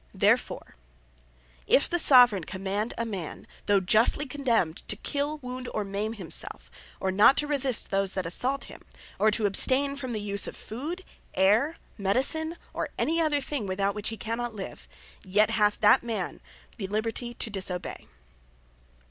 Therefore, Are Not Bound To Hurt Themselves; If the Soveraign command a man (though justly condemned,) to kill, wound, or mayme himselfe; or not to resist those that assault him; or to abstain from the use of food, ayre, medicine, or any other thing, without which he cannot live; yet hath that man the Liberty to disobey.